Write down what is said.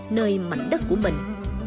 nơi mảnh đất của mình